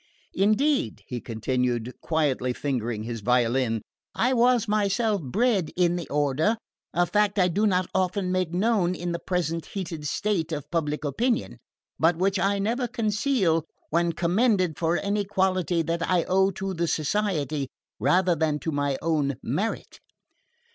Indeed," he continued, quietly fingering his violin, "I was myself bred in the order: a fact I do not often make known in the present heated state of public opinion, but which I never conceal when commended for any quality that I owe to the Society rather than to my own merit."